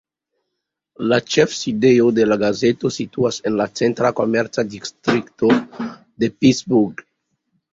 La ĉefsidejo de la gazeto situas en la centra komerca distrikto de Pittsburgh.